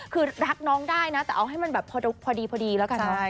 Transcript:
คือรับน้องได้นะแต่เอาให้มันพอดีแล้วกัน